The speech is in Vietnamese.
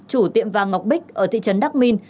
chủ tiệm vàng ngọc bích ở thị trấn đắc minh